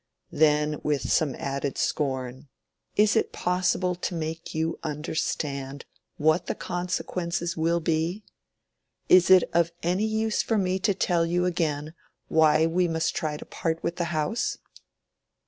Then with some added scorn, "Is it possible to make you understand what the consequences will be? Is it of any use for me to tell you again why we must try to part with the house?"